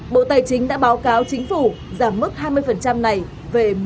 bộ tài chính đã báo cáo chính phủ giảm mức hai mươi này về một mươi